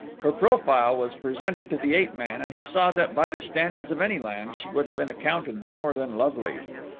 Her profile was presented to the ape man and he saw that by the standards of any land she would have been accounted more than lovely.